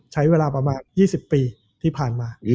ใช้เวลาประมาณ๒๐ปีที่ผ่านมา